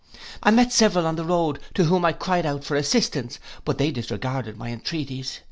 I met several on the road, to whom I cried out for assistance; but they disregarded my entreaties.